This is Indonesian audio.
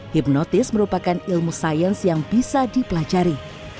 hipnotis merupakan ilmu sains yang bisa dipelajari